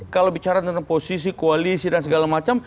kalau bicara tentang posisi koalisi dan segala macam